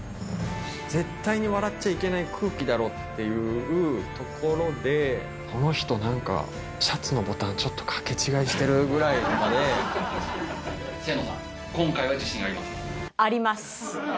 絶対に笑っちゃいけない空気だろうっていうところでところで、この人、なんかシャツのボタン、ちょっと掛け違いしてるぐらいの清野さん、あります！